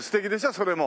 それも。